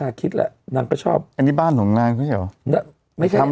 ที่เราจะเคยไปอ่ะ